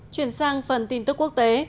chuyển sang phần tin tức quốc tế